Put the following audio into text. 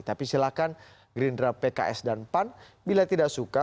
tapi silahkan greendraft pks dan pan bila tidak suka